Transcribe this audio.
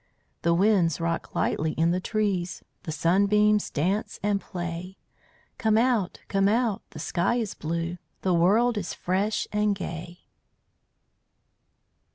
The winds rock lightly in the trees: The sunbeams dance and play. Come out! Come out! The sky is blue, The world is fresh and gay.